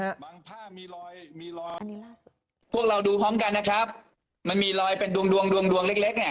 บางผ้ามีรอยมีรอยพวกเราดูพร้อมกันนะครับมันมีรอยเป็นดวงดวงดวงดวงเล็กเล็กเนี้ย